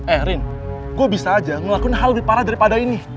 erin gue bisa aja ngelakuin hal lebih parah daripada ini